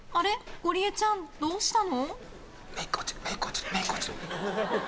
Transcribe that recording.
ゴリエちゃんどうしたの？